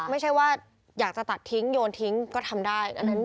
ไม่ใช่ว่าอยากจะตัดทิ้งโยนทิ้งก็ทำได้